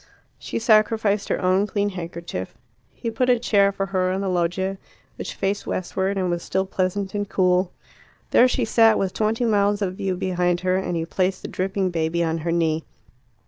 She sacrificed her own clean handkerchief. He put a chair for her on the loggia, which faced westward, and was still pleasant and cool. There she sat, with twenty miles of view behind her, and he placed the dripping baby on her knee.